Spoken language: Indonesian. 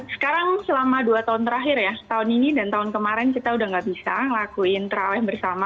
sekarang selama dua tahun terakhir ya tahun ini dan tahun kemarin kita udah gak bisa ngelakuin terawih bersama